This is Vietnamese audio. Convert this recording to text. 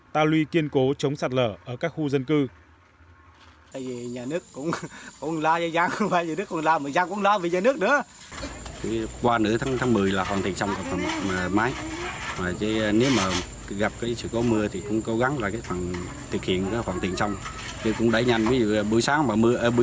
ta luy kiên cố chống sạt lở ở các khu dân cư